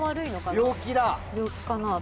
病気かなと。